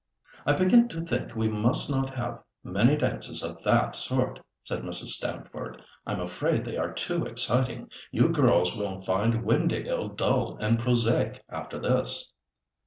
"I begin to think we must not have many dances of that sort," said Mrs. Stamford. "I'm afraid they are too exciting. You girls will find Windāhgil dull and prosaic after this."